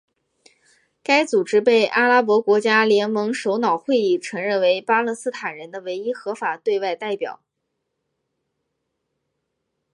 该组织被阿拉伯国家联盟首脑会议承认为巴勒斯坦人的唯一合法对外代表。